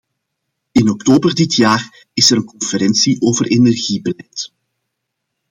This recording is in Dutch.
In oktober dit jaar is er een conferentie over energiebeleid.